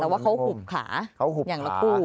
แต่ว่าเขาหุบขาหุบอย่างละคู่